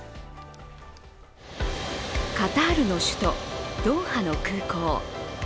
カタールの首都ドーハの空港。